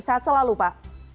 saat selalu pak